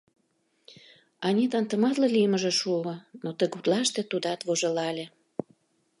Анитан тыматле лиймыже шуо, но ты гутлаште тудат вожылале.